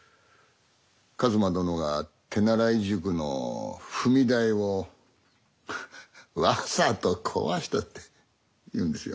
一馬殿が手習い塾の踏み台をわざと壊したって言うんですよ。